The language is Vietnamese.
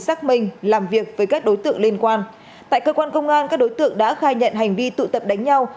xác minh làm việc với các đối tượng liên quan tại cơ quan công an các đối tượng đã khai nhận hành vi tụ tập đánh nhau